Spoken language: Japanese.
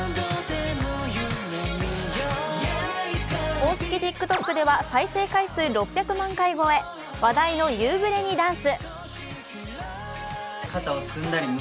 公式ＴｉｋＴｏｋでは、再生回数６００万回超え話題の夕暮れにダンス。